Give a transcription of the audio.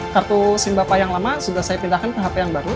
kartu sin bapak yang lama sudah saya pindahkan ke hp yang baru